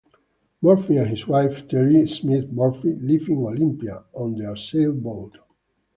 Murphy and his wife, Teri Smith Murphy, live in Olympia on their sailboat.